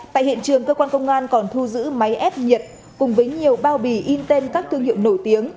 tại hiện trường cơ quan công an còn thu giữ máy ép nhiệt cùng với nhiều bao bì in tên các thương hiệu nổi tiếng